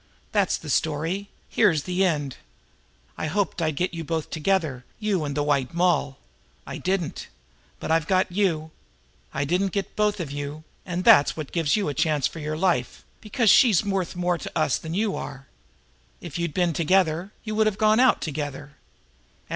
"That's the story; here's the end. I hoped I'd get you both together, you and the White Moll. I didn't. But I've got you. I didn't get you both and that's what gives you a chance for your life, because she's worth more to us than you are. If you'd been together, you would have gone out together.